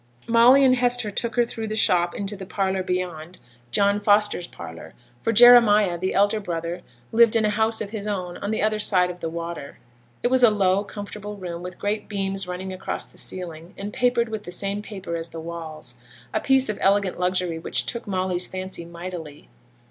Molly and Hester took her through the shop into the parlour beyond John Foster's parlour, for Jeremiah, the elder brother, lived in a house of his own on the other side of the water. It was a low, comfortable room, with great beams running across the ceiling, and papered with the same paper as the walls a piece of elegant luxury which took Molly's fancy mightily!